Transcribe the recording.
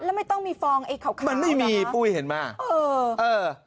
แล้วไม่ต้องมีฟองไอ้ขาวขาวมันไม่มีปุ้ยเห็นไหมเออเออ